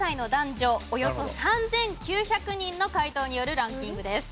およそ３９００人の回答によるランキングです。